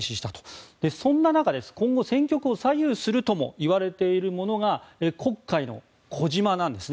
そんな中、今後戦局を左右されるといわれているものが黒海の小島なんです。